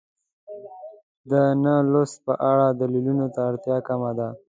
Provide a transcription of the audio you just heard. د نه لوست په اړه دلایلو ته اړتیا کمه ده.